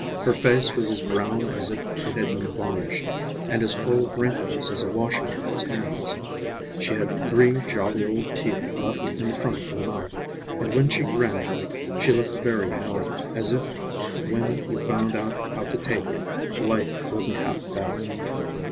Her face was as brown as if it had been varnished, and as full of wrinkles as a washerwoman's hands. She had three jolly old teeth left in the front of her mouth, and when she grinned she looked very knowing, as if when you found out how to take it, life wasn't half bad.